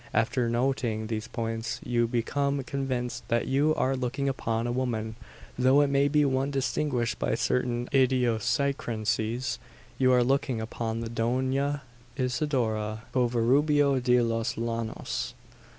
After noting these points, you become convinced that you are looking upon a woman, though it may be one distinguished by certain idiosyncrasies. You are looking upon the Dona Isidora Covarubio de los Llanos.